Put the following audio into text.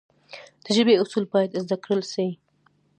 د ژبي اصول باید زده کړل سي.